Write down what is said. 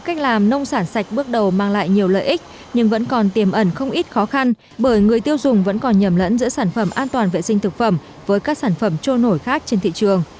các nông sản sạch bước đầu mang lại nhiều lợi ích nhưng vẫn còn tiềm ẩn không ít khó khăn bởi người tiêu dùng vẫn còn nhầm lẫn giữa sản phẩm an toàn vệ sinh thực phẩm với các sản phẩm trôi nổi khác trên thị trường